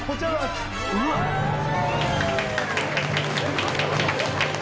すごい。